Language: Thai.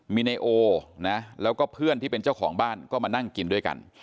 มีนายโอนะแล้วก็เพื่อนที่เป็นเจ้าของบ้านก็มานั่งกินด้วยกัน